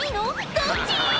どっち？